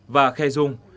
và khe dung